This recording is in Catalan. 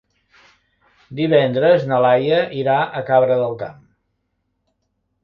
Divendres na Laia irà a Cabra del Camp.